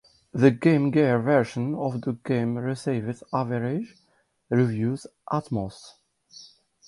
The Game Gear version of the game received average reviews at most.